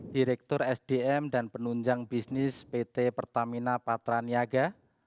direktur sdm dan penunjang bisnis pt pertamina patraniaga